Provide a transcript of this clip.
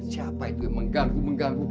siapa itu yang mengganggu mengganggu